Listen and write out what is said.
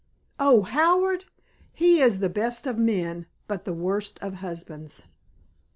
"Oh, Howard! He is the best of men but the worst of husbands."